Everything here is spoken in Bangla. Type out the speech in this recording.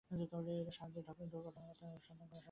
এর সাহায্যে দুর্ঘটনার কারণ অনুসন্ধান করা সম্ভব হবে।